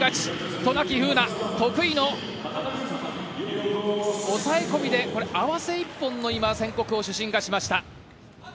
渡名喜風南得意の抑え込みで合わせ一本の宣告を主審がしました。